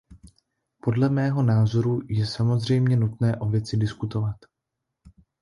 Podle mého názoru je samozřejmě nutné o věci diskutovat.